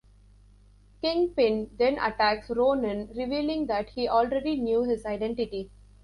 Kingpin then attacks Ronin, revealing that he already knew his identity.